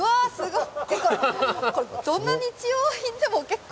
すごい！